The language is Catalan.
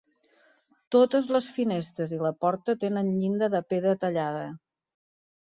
Totes les finestres i la porta tenen llinda de pedra tallada.